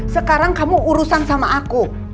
sekarang kamu urusan sama aku